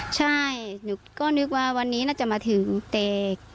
รู้สึกว่าวันนี้น่าจะมาถึงเตรก